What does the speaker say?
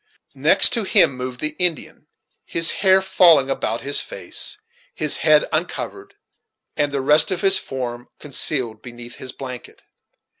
Next to him moved the Indian, his hair falling about his face, his head uncovered, and the rest of his form concealed beneath his blanket.